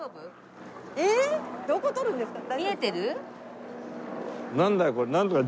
えっどこ撮るんですか？